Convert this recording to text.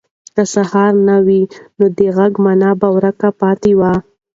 که سهار نه وای، نو د غږ مانا به ورکه پاتې وای.